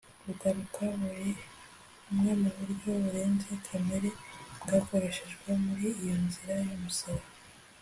ugaruka kuri bumwe mu buryo burenze kamere bwakoreshejwe muri iyo nzira y'umusaraba